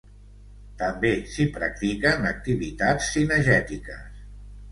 També s'hi practiquen activitats cinegètiques.